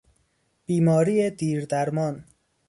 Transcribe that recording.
بیماری دیردرمان